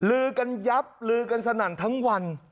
ลือกันยับลือกันสนั่นทั้งวัน